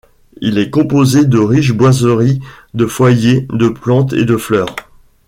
Il est composé de riches boiseries, de foyers, de plantes et de fleurs.